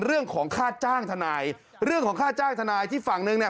เรื่องของค่าจ้างทนายเรื่องของค่าจ้างทนายที่ฝั่งนึงเนี่ย